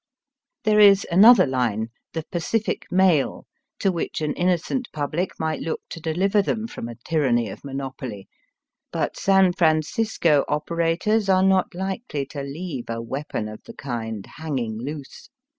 There is Digitized by VjOOQIC THE HEATHEN CHINEE. 167 another line, the Pacific Mail, to which an in nocent public might look to deliver them from a tyranny of monopoly. But San Francisco operators are not likely to leave a weapon of the kind hanging loose.